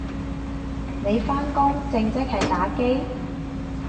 你返工正職係打機？